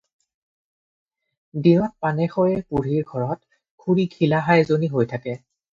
দিনত পানেশৈয়ে বুঢ়ীৰ ঘৰত খুৰী ঘিলাহাঁহ এজনী হৈ থাকে।